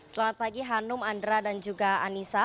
selamat pagi hanum andra dan juga anissa